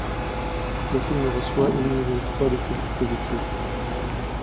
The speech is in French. Le film reçoit une nouvelle fois des critiques positives.